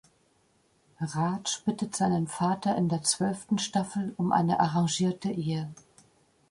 Raj bittet seinen Vater in der zwölften Staffel um eine arrangierte Ehe.